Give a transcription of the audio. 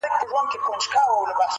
• د اولیاوو د شیخانو مجلسونه کیږي -